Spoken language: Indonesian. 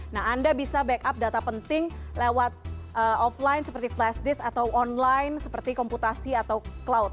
nah anda bisa backup data penting lewat offline seperti flash disk atau online seperti komputasi atau cloud